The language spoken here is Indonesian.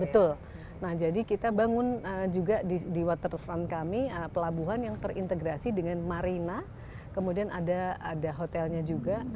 betul nah jadi kita bangun juga di waterfront kami pelabuhan yang terintegrasi dengan marina kemudian ada hotelnya juga